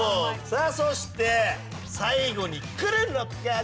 さあそして最後にくるのか？